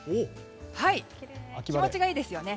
気持ちがいいですよね。